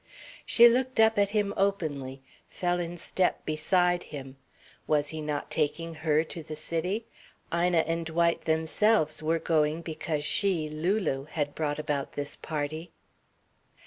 She looked up at him openly, fell in step beside him. Was he not taking her to the city? Ina and Dwight themselves were going because she, Lulu, had brought about this party.